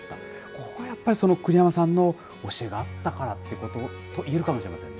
ここはやっぱり栗山さんの教えがあったからと言えるかもしれませんね。